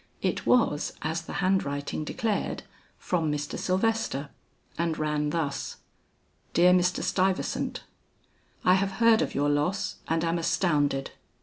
It was, as the handwriting declared, from Mr. Sylvester, and ran thus: "DEAR MR. STUYVESANT: "I have heard of your loss and am astounded.